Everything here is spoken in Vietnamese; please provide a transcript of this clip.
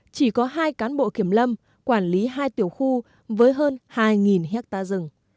chỉ có hai cán bộ kiểm lâm quản lý hai tiểu khu với hơn hai hectare rừng